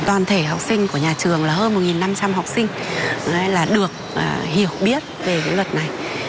toàn thể học sinh của nhà trường là hơn một năm trăm linh học sinh là được hiểu biết về luật này